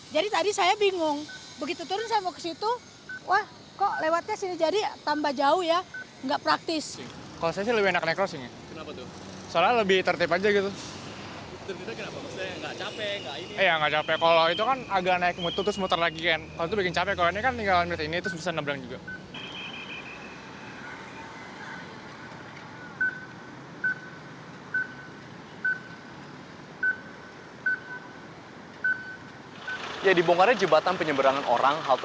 jembatan penyeberangan orang